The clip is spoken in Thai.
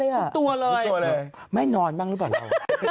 ทุกตัวเลยไม่นอนบ้างหรือเปล่า